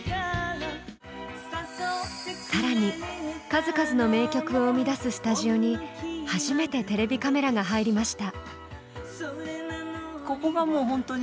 更に数々の名曲を生み出すスタジオに初めてテレビカメラが入りました。